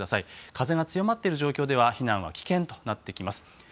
風が強まっている状況では、避難は危険となってきます。